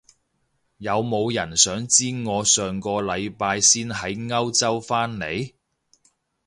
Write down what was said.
有冇人想知我上個禮拜先喺歐洲返嚟？